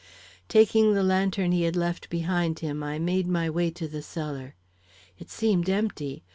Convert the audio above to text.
Taking the lantern he had left behind him, I made my way to the cellar. It seemed empty.